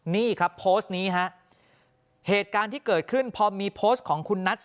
นี่ครับโพสต์นี้ฮะเหตุการณ์ที่เกิดขึ้นพอมีโพสต์ของคุณนัท